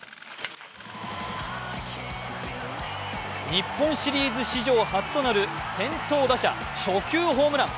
日本シリーズ史上初となる先頭打者初球ホームラン。